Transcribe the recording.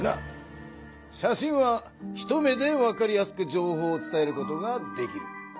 写真は一目でわかりやすく情報をつたえることができる。